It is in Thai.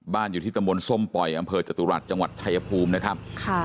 อยู่ที่ตำบลส้มปล่อยอำเภอจตุรัสจังหวัดชายภูมินะครับ